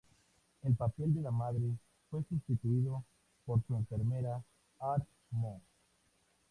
El papel de la madre fue sustituido por su enfermera, Ar Mo.